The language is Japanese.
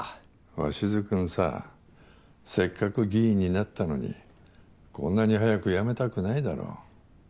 鷲津君させっかく議員になったのにこんなに早く辞めたくないだろう？